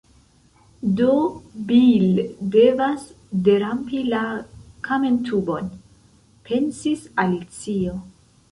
“Do, Bil devas derampi la kamentubon,” pensis Alicio.